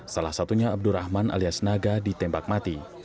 salah satunya abdurrahman alias naga ditembak mati